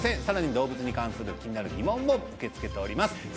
さらに動物に関する気になる疑問も受け付けております